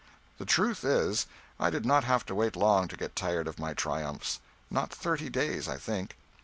The truth is, I did not have to wait long to get tired of my triumphs. Not thirty days, I think.